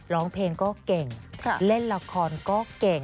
ร้องเพลงก็เก่งเล่นละครก็เก่ง